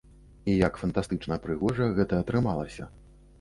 І як фантастычна прыгожа гэта атрымалася.